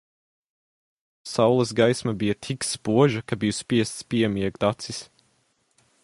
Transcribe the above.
Saules gaisma bija tik spoža, ka biju spiests piemiegt acis.